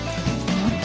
もっと？